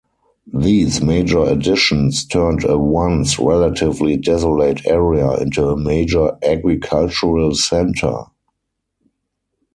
These major additions turned a once relatively desolate area into a major agricultural center.